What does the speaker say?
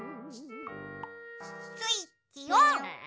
スイッチオン！